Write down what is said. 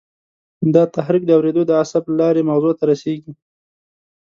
دا تحریک د اورېدو د عصب له لارې مغزو ته رسېږي.